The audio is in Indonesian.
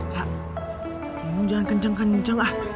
kak kamu jangan kenceng kenceng ah